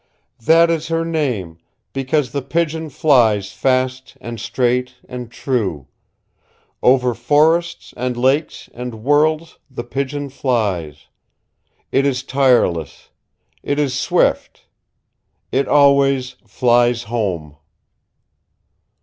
"That is her name, because the Pigeon flies fast and straight and true. Over forests and lakes and worlds the Pigeon flies. It is tireless. It is swift. It always flies home."